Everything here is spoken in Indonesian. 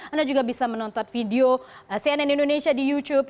anda juga bisa menonton video cnn indonesia di youtube